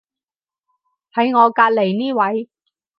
喺我隔離呢位係